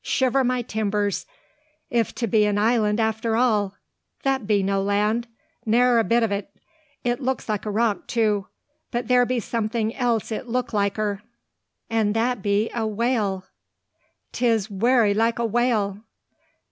Shiver my timbers if 't be a island after all! That be no land, ne'er a bit o't. It look like a rock, too; but there be something else it look liker; an' that be a whale. 'Tis wery like a whale!"